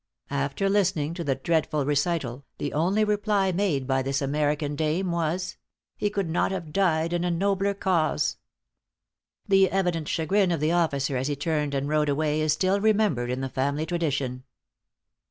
After listening to the dreadful recital, the only reply made by this American dame was, "He could not have died in a nobler cause!" The evident chagrin of the officer as he turned and rode away, is still remembered in the family tradition.